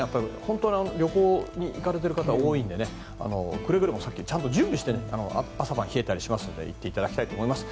旅行に行かれてる方も多いのでくれぐれも準備をして朝晩冷えたりしますので行っていただきたいと思います。